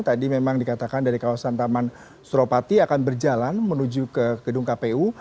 tadi memang dikatakan dari kawasan taman suropati akan berjalan menuju ke gedung kpu